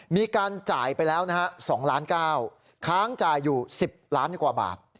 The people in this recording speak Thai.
มีการจ่ายไปแล้วนะฮะ๒ล้าน๙ค้างจ่ายอยู่๑๐ล้านกว่าบาท